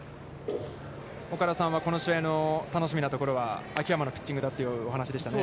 岡田さんは、この試合の楽しみなところは、秋山のピッチングだというお話でしたね。